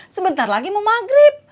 sebentar lagi mau maghrib